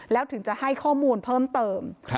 แล้วถึงจะให้ข้อมูลเพิ่มเติม